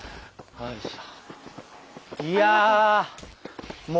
おいしょ。